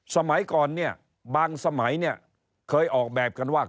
สมัยก่อนเนี่ยบางสมัยเนี่ยเคยออกแบบกันว่า